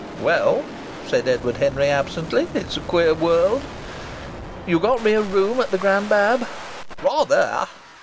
"Well," said Edward Henry, absently. "It's a queer world. You've got me a room at the Grand Bab?" "Rather!"